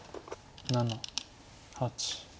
７８。